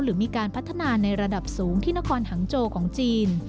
หรือมีการพัฒนาในระดับสูงที่นครหังโจของจีน